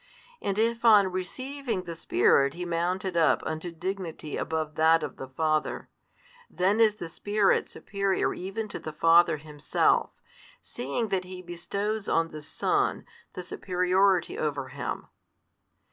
And if on receiving the Spirit He mounted up unto dignity above that of the Father, then is the Spirit superior even to the Father Himself, seeing that He bestows on the Son the superiority over Him.